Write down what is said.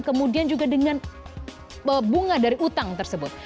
kemudian juga dengan bunga dari utang tersebut